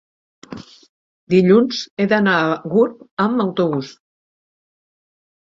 dilluns he d'anar a Gurb amb autobús.